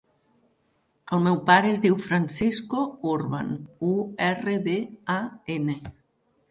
El meu pare es diu Francisco Urban: u, erra, be, a, ena.